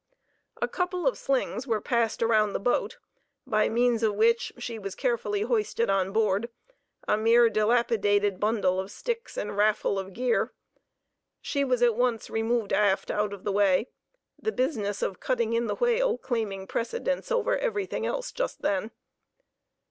A couple of slings were passed around the boat, by means of which, she was carefully hoisted on board, a mere dilapidated bundle of sticks and raffle of gear. She was at once removed aft out of the way, the business of cutting in the whale claiming precedence over everything else just then.